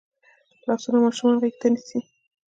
لاسونه ماشومان غېږ ته نیسي